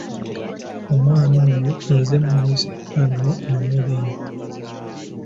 Omwana oyo nze muyise anone emmere eno.